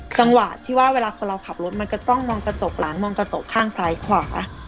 จังหวะที่ว่าเวลาคนเราขับรถมันก็ต้องมองกระจกหลังมองกระจกข้างซ้ายขวา